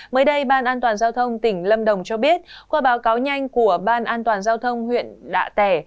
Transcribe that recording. mới đây ban an toàn giao thông tỉnh lâm đồng cho biết qua báo cáo nhanh của ban an toàn giao thông huyện đạ tẻ